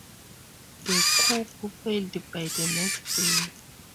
The coup failed by the next day.